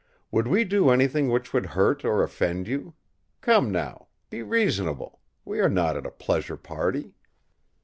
Would we do anything which would hurt or offend you? Come now! be reasonable! We are not at a pleasure party.